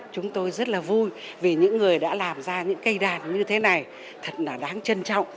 chúng tôi rất là vui vì những người đã làm ra những cây đàn như thế này thật là đáng trân trọng